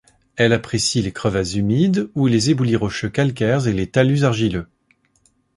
Elle apprécie les crevasses humides ou les éboulis rocheux calcaires et les talus argileux.